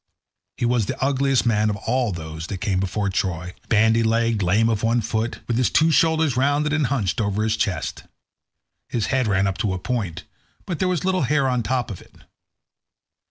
He was the ugliest man of all those that came before Troy—bandy legged, lame of one foot, with his two shoulders rounded and hunched over his chest. His head ran up to a point, but there was little hair on the top of it.